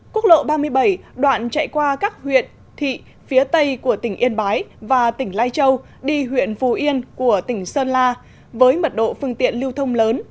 quốc lộ ba mươi bảy đoạn chạy qua các huyện thị phía tây của tỉnh yên bái và tỉnh lai châu đi huyện phù yên của tỉnh sơn la với mật độ phương tiện lưu thông lớn